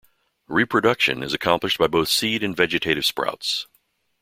Reproduction is accomplished by both seed and vegetative sprouts.